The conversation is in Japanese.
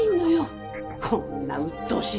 こんなうっとうしい髪形して。